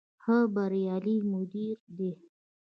ښه بریالی مدیر دی.